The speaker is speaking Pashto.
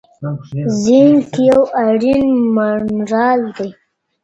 زینک یو اړین منرال دی.